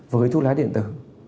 với thuốc lá điện tử